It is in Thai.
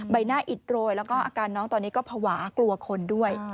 ใบหน้าอิดโรยแล้วก็อาการน้องตอนนี้ก็ภาวะกลัวคนด้วย